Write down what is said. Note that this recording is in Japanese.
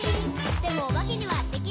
「でもおばけにはできない。」